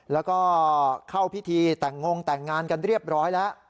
แล้วก็เข้าพิธีแต่งงแต่งงานกันเรียบร้อยแล้ว